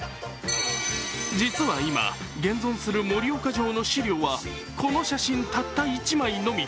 実は今、現存する盛岡城の資料はこの写真１枚のみ。